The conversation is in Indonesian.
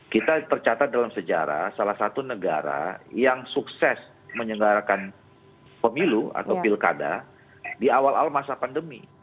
kita tercatat dalam sejarah salah satu negara yang sukses menyelenggarakan pemilu atau pilkada di awal awal masa pandemi